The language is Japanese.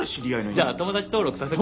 じゃあ友達登録させて。